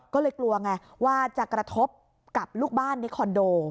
ก็เลยกลัวไงว่าจะกระทบกับลูกบ้านในคอนโด